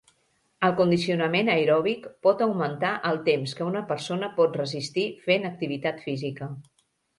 El condicionament aeròbic pot augmentar el temps que una persona pot resistir fent activitat física.